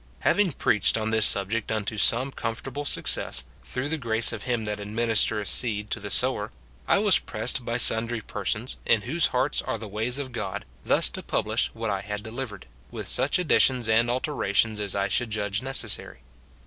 Having preached on this subject unto some comfortable success, through the grace of Him that administereth seed to the sower, I was pressed by sundry persons, in whose hearts are the ways of God, thus to pub lish what I had delivered, with such additions and alterations as I should judge necessary.